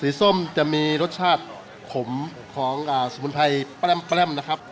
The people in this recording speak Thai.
สีส้มจะมีรสชาติขมของสมุนไทยประดับนะครับ